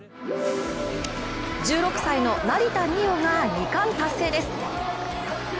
１６歳の成田実生が２冠達成です。